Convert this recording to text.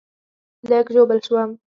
لږ ژوبل شوم